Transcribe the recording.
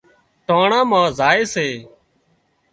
ٽانڻا مان زائي سي